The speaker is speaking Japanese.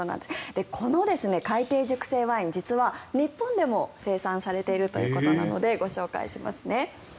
この海底熟成ワインは実は日本でも生産されているということなのでご紹介しますね。